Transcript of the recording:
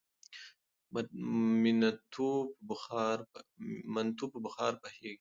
منتو په بخار پخیږي.